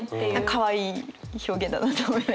かわいい表現だなと思いましたね。